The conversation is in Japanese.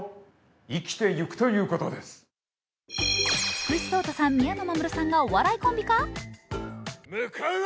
福士蒼汰さん、宮野真守さんがお笑いコンビ化？